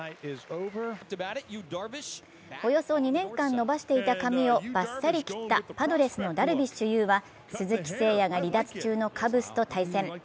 およそ２年間伸ばしていた紙をばっさりと切ったパドレスのダルビッシュ有は鈴木誠也が離脱中のカブスと対戦。